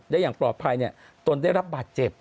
ได้อย่างปลอบภัยนี่ต้นได้รับบาดเจ็บ